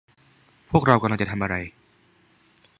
พวกเรากำลังจะทำอะไร